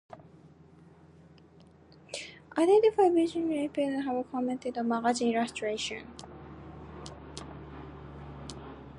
Initially Evison appears to have concentrated on magazine illustration.